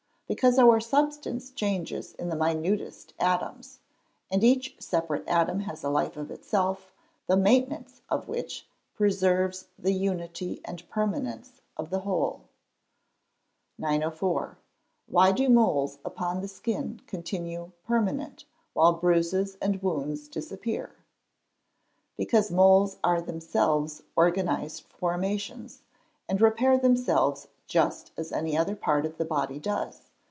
_ Because our substance changes in the minutest atoms; and each separate atom has a life of itself, the maintenance of which preserves the unity and permanence of the whole. 904. Why do moles upon the skin continue permanent, while bruises and wounds disappear? Because moles are themselves organised formations, and repair themselves just as any other part of the body does.